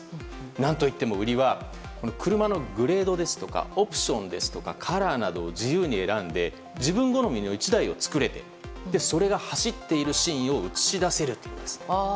何といっても、売りは車のグレードやオプションカラーなどを自由に選んで自分好みの１台を作れてそれが走っているシーンを映し出せるというんです。